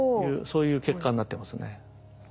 そういう結果になってますね。